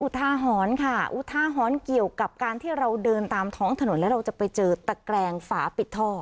อุทาหรณ์ค่ะอุทาหรณ์เกี่ยวกับการที่เราเดินตามท้องถนนแล้วเราจะไปเจอตะแกรงฝาปิดท่อ